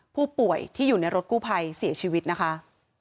ผู้ป่วยที่อยู่ในรถกู้ภัยเสียชีวิตนะคะ